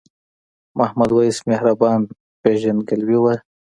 محمد وېس مهربان پیژندګلوي وه.